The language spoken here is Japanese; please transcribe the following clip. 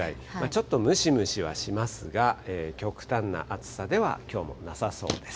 ちょっとムシムシはしますが、極端な暑さではきょうもなさそうです。